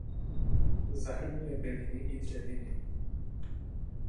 Zahrnuje byliny i dřeviny.